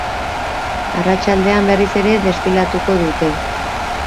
Arratsaldean berriz ere desfilatuko dute.